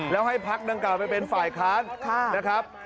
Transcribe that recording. แล้วให้พักดังกล่าวไปเป็นฝ่ายค้านนะครับ